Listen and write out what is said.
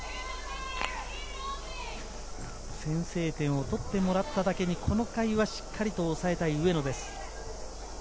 先制点を取ってもらっただけにこの回はしっかりと抑えたい上野です。